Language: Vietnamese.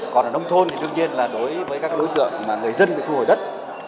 còn ở nông thôn thì đương nhiên là đối với các đối tượng người dân thu hồi đất